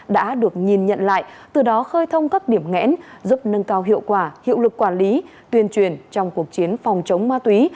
đã được nhìn nhận lại từ đó khơi thông các điểm ngẽn giúp nâng cao hiệu quả hiệu lực quản lý tuyên truyền trong cuộc chiến phòng chống ma túy